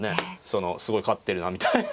そのすごい勝ってるなみたいな。